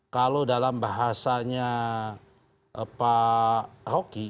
kalau dalam bahasanya pak rocky